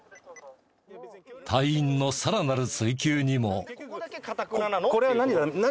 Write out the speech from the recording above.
隊員のさらなる追及にも。